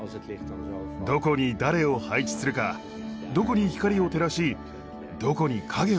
どこに誰を配置するかどこに光を照らしどこに影を落とすか。